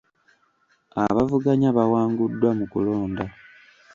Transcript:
Abavuganya bawanguddwa mu kulonda.